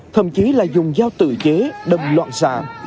thậm chí là dùng dao tự chế đâm loạn xạ